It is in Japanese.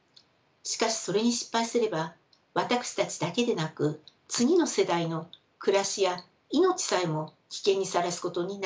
しかしそれに失敗すれば私たちだけでなく次の世代の暮らしや命さえも危険にさらすことになってしまいます。